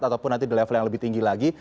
atau pun nanti di level yang lebih tinggi lagi